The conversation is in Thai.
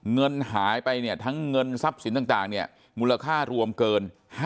เงินหายไปเนี่ยทั้งเงินทรัพย์สินต่างเนี่ยมูลค่ารวมเกิน